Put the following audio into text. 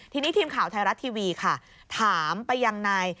ทีนี้ทีมข่าวไทยรัฐทีวีค่ะถามไปยังนาย